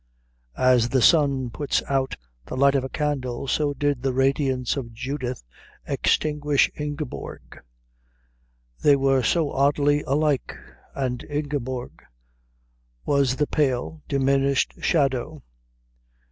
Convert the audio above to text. As the sun puts out the light of a candle so did the radiance of Judith extinguish Ingeborg. They were so oddly alike; and Ingeborg was the pale, diminished shadow.